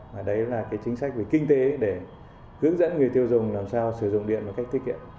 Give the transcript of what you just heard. và đấy là cái chính sách về kinh tế để hướng dẫn người tiêu dùng làm sao sử dụng điện một cách tiết kiệm